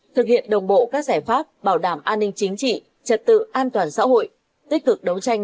thực hiện đồng bộ các giải pháp bảo đảm an ninh chính trị trật tự an toàn xã hội tích cực đấu tranh